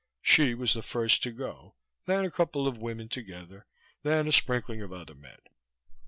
_" Hsi was the first to go, then a couple of women together, then a sprinkling of other men.